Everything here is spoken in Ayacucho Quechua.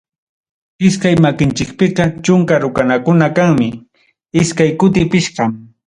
Iskay makinchikpiqa chunka rukanakuna kanmi, iskay kuti pichqam.